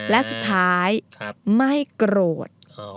และสุดท้ายไม่โกรธ